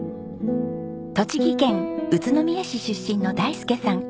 栃木県宇都宮市出身の大介さん。